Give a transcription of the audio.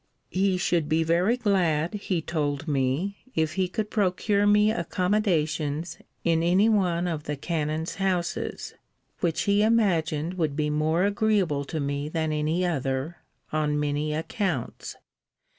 He should be very glad, he told me, if he could procure me accommodations in any one of the canon's houses; which he imagined would be more agreeable to me than any other, on many accounts.